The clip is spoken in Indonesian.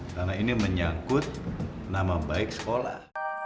karena ini menyangkut nama baik sekolah